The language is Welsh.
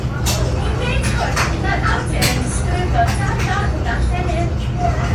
I wneud hyn, mae'r awdur yn disgrifio dau fath o ddarllenydd.